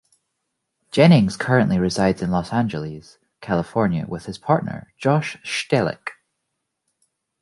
Jennings currently resides in Los Angeles, California, with his partner Josh Stehlik.